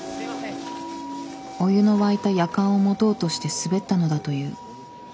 お湯の沸いたやかんを持とうとして滑ったのだという。